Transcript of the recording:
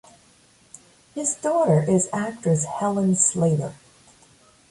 His daughter is actress Helen Slater.